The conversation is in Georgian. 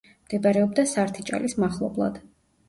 მდებარეობდა სართიჭალის მახლობლად.